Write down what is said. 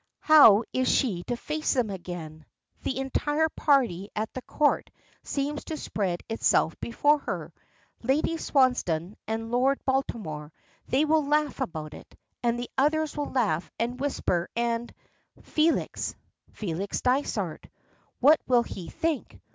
How is she to face them again? The entire party at the Court seems to spread itself before her. Lady Swansdown and Lord Baltimore, they will laugh about it; and the others will laugh and whisper, and Felix Felix Dysart. What will he think?